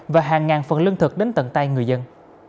và hàng ngàn phần lương thực đến tận tay người dân